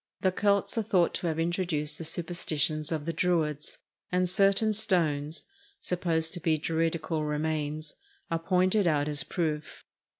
The Celts are thought to have introduced the superstitions of the Druids, and certain stones, supposed to be Druidical remains, are pointed out as proof.